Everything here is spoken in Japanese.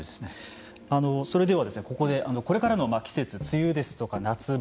それではここでこれからの季節、梅雨ですとか夏場